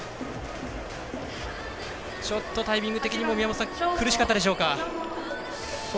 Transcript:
ちょっとタイミング的にも苦しかったでしょうか。